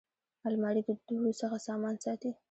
الماري د دوړو څخه سامان ساتي